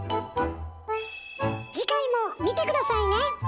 次回も見て下さいね！